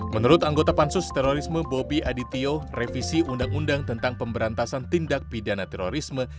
menurut anggota pansus terorisme bobi adityo revisi undang undang tentang pemberantasan tindak pidana terorisme